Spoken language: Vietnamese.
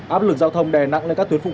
áp lực giao thông đè nặng lên các tuyến phụ